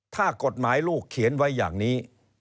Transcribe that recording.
ถ้ากฎหมายลูกเขียนไว้อย่างนี้